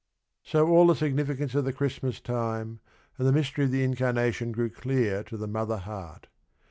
So all the significance of the Christmas time, and the mystery of the incarnation grew clear to the mother heart.